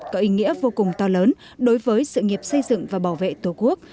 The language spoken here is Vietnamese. nhiệm vụ chính trị đặc biệt có ý nghĩa vô cùng to lớn đối với sự nghiệp xây dựng và bảo vệ tổ quốc